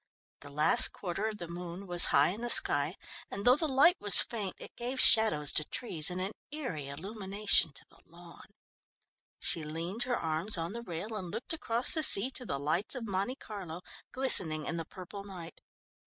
The last quarter of the moon was high in the sky, and though the light was faint, it gave shadows to trees and an eerie illumination to the lawn. She leant her arms on the rail and looked across the sea to the lights of Monte Carlo glistening in the purple night.